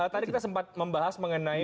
tadi kita sempat membahas mengenai